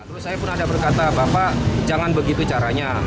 terus saya pun ada berkata bapak jangan begitu caranya